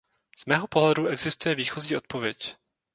Z mého pohledu existuje výchozí odpověď.